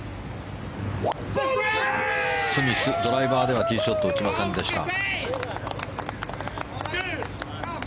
スミス、ドライバーではティーショットを打ちませんでした。